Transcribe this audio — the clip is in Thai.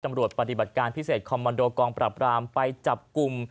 ปฏิบัติการพิเศษคอมมันโดกองปรับรามไปจับกลุ่ม